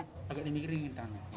agak dimiringin tangan